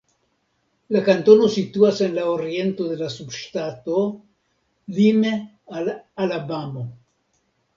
La kantono situas en la oriento de la subŝtato, lime al Alabamo.